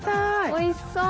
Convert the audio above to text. おいしそう！